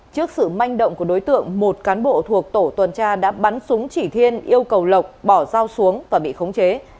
trước sự manh động của đối tượng một cán bộ thuộc tổ tuần tra đã bắn súng chỉ thiên yêu cầu lộc bỏ giao xuống và bị khống chế